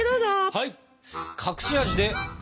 はい！